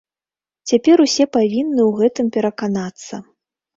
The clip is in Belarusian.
Цяпер усе павінны ў гэтым пераканацца.